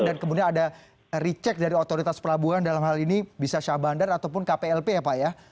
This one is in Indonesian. dan kemudian ada recheck dari otoritas pelabuhan dalam hal ini bisa syah bandar ataupun kplp ya pak ya